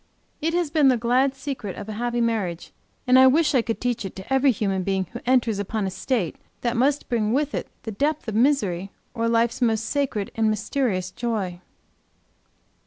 It has been the glad secret of a happy marriage, and I wish I could teach it to every human being who enters upon a state that must bring with it the depth of misery, or life's most sacred and mysterious joy.